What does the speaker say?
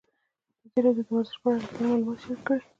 ازادي راډیو د ورزش په اړه رښتیني معلومات شریک کړي.